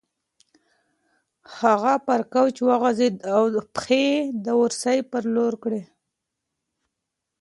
هغه پر کوچ وغځېده او پښې یې د اورسۍ په لور کړې.